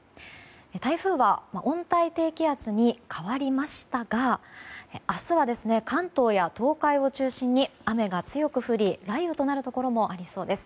台風は温帯低気圧に変わりましたが明日は関東や東海を中心に雨が強く降り雷雨となるところもありそうです。